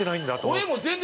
声も全然。